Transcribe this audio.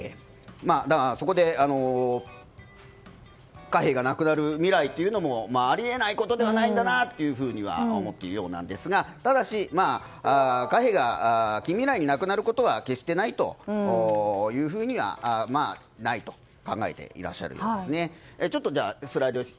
そこで貨幣がなくなる未来もあり得ないことではないんだなというふうには思っているようなんですがただし、貨幣が近未来になくなることは決してないというふうに考えているようなんですね。